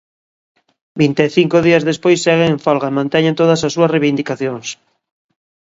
Vinte e cinco días despois seguen en folga e manteñen todas as súas reivindicacións.